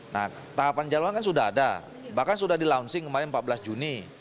nah tahapan jadwal kan sudah ada bahkan sudah di launching kemarin empat belas juni